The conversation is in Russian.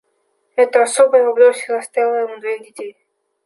Эта особа его бросила и оставила ему двоих детей.